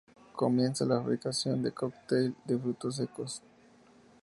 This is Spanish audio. Comienza la fabricación del Cocktail de frutos secos.